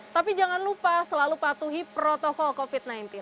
tapi jangan lupa selalu patuhi protokol covid sembilan belas